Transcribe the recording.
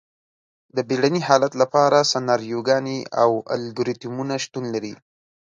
د بیړني حالت لپاره سناریوګانې او الګوریتمونه شتون لري.